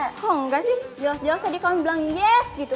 kok enggak sih jelas jelas tadi kamu bilang yes gitu